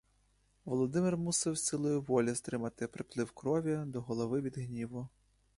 Володимир мусив силою волі стримати приплив крові до голови від гніву.